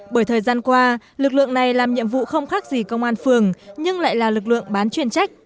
bởi thời gian qua lực lượng này làm nhiệm vụ không khác gì công an phường nhưng lại là lực lượng bán chuyên trách